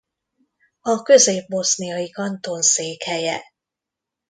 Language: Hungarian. A Közép-boszniai kanton székhelye.